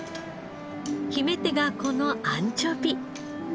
決め手がこのアンチョビ。